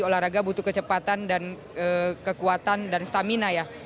olahraga butuh kecepatan dan kekuatan dan stamina ya